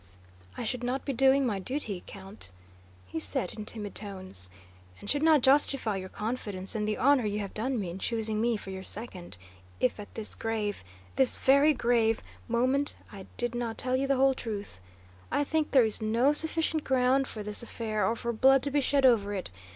"I should not be doing my duty, Count," he said in timid tones, "and should not justify your confidence and the honor you have done me in choosing me for your second, if at this grave, this very grave, moment I did not tell you the whole truth. I think there is no sufficient ground for this affair, or for blood to be shed over it....